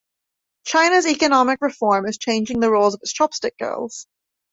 China's economic reform is changing the role of its chopstick girls.